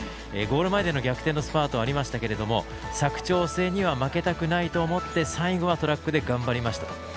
ゴール前のスパートありましたけれども佐久長聖には負けたくないと思って、最後はトラックで頑張りました。